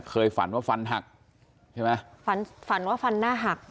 ฝันว่าฟันหักใช่ไหมฝันฝันว่าฟันหน้าหัก